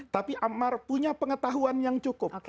tapi amar punya pengetahuan yang cukup